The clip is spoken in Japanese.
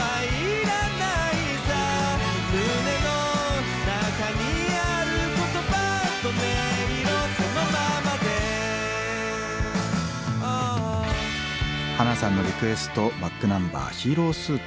胸の中にある言葉と音色そのままでハナさんのリクエストｂａｃｋｎｕｍｂｅｒ「ヒーロースーツ」。